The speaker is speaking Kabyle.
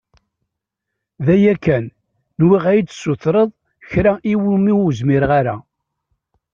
D aya kan, nwiɣ ad iyi-d-tessutreḍ kra iwimi ur zmireɣ ara.